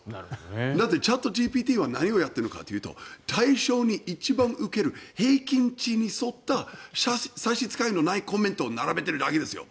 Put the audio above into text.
だって、チャットＧＰＴは何をやっているのかというと対象に一番受ける平均値に沿った差し支えのないコメントを並べてるだけですよ。